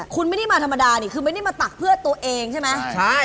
คุณไม่ได้มาธรรมดานี่คือไม่ได้มาตักเพื่อตัวเองใช่ไหมใช่